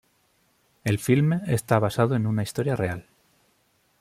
El filme está basado en una historia real.